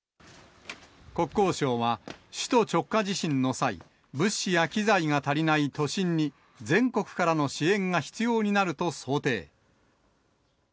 国交省は、首都直下地震の際、物資や機材が足りない都心に、全国からの支援が必要になると想定。